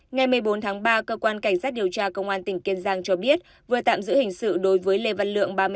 ngày một mươi bốn tháng ba cơ quan cảnh sát điều tra công an tỉnh kiên giang cho biết vừa tạm giữ hình sự đối với lê văn lượng